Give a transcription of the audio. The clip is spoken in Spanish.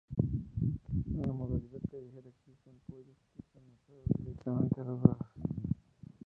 En la modalidad callejera existen pollos que son asados directamente a las brasas.